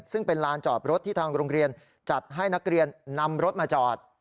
ซึ่งเป็นลานจอดรถที่ทางโรงเรียนจัดให้นักเรียนนำรถมาจอด